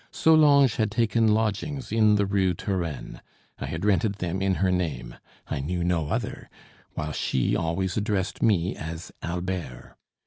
Solange had taken lodgings in the Rue Turenne. I had rented them in her name. I knew no other, while she always addressed me as Albert.